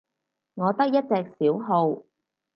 我得一隻小號